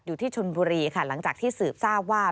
อยู่ที่ชนบุรีค่ะหลังจากที่สืบทราบว่า